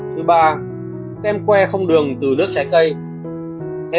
thứ ba kem que không đường từ nước trái cây